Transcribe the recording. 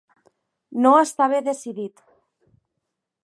No estava decidit.